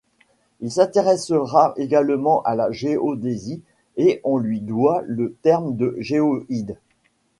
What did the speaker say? Il s'intéressa également à la géodésie et on lui doit le terme de géoïde.